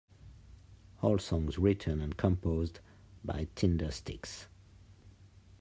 All songs written and composed by Tindersticks.